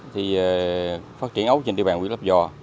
thì phát triển ấu trên địa bàn quỹ lắp giò